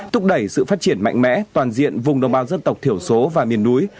túc đẩy sự phát triển mạnh mẽ toàn diện vùng đồng bào dân tộc thiểu số và miền đuối